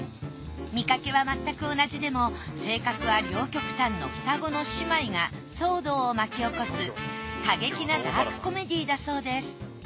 見かけはまったく同じでも性格は両極端の双子の姉妹が騒動を巻き起こす過激なダークコメディーだそうです。